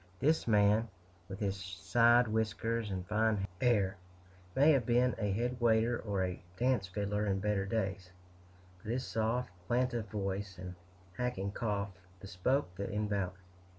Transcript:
This man, with his side whiskers and fine air, may have been a head waiter or a dance fiddler in better days; but his soft, plaintive voice, and hacking cough, bespoke the invalid.